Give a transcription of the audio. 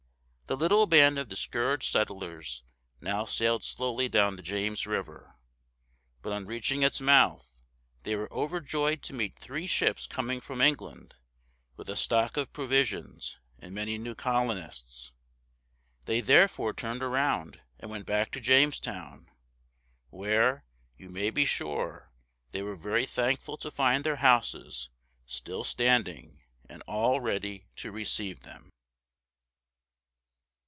The little band of discouraged settlers now sailed slowly down the James River. But on reaching its mouth, they were overjoyed to meet three ships coming from England, with a stock of provisions and many new colonists. They therefore turned around and went back to Jamestown, where, you may be sure, they were very thankful to find their houses still standing and all ready to receive them.